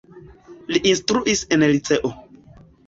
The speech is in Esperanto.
Li instruis en liceo.